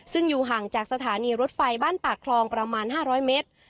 ซึ่งอยู่ห่างจากสถานีรถไฟบ้านปากคลองประมาณ๕๐๐เมตร